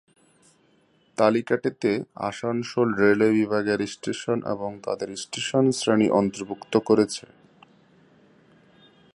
তালিকাটিতে Asansol railway বিভাগের station এবং তাদের স্টেশন শ্রেণী অন্তর্ভুক্ত করেছে।